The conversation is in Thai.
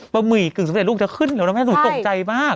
บะหมี่กึ่งสำเร็จรูปจะขึ้นหรือเปล่านะแม่หนูตกใจมาก